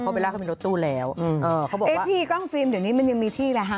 เขาบอกว่าเอ๊ะเมื่อพี่หน้ากล้องฟิล์มยังมีที่แล้ว